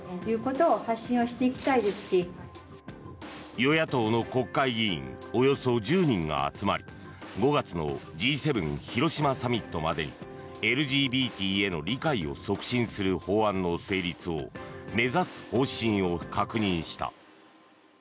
与野党の国会議員およそ１０人が集まり５月のＧ７広島サミットまでにＬＧＢＴへの理解を促進する法案の成立を目指す方針を確認した。